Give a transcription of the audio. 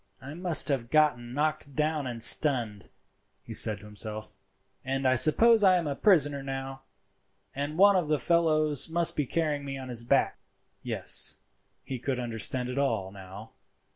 "I must have been knocked down and stunned," he said to himself, "and I suppose I am a prisoner now, and one of the fellows must be carrying me on his back." Yes, he could understand it all now.